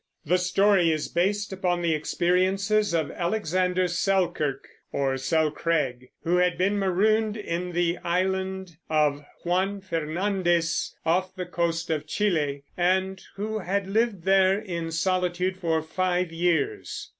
The story is based upon the experiences of Alexander Selkirk, or Selcraig, who had been marooned in the island of Juan Fernandez, off the coast of Chile, and who had lived there in solitude for five years.